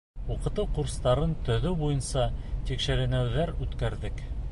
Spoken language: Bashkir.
Уҡытыу курстарын төҙөү буйынса тикшеренеүҙәр үткәрҙек.